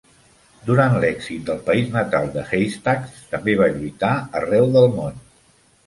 Durant l'èxit del país natal de Haystacks, també va lluitar arreu del món.